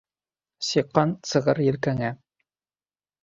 Сиҡан сығыр елкәңә.